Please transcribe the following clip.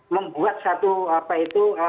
membuat satu apa itu